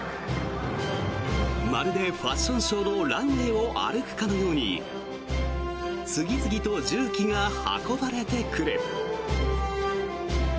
まるでファッションショーのランウェーを歩くかのように次々と重機が運ばれてくる。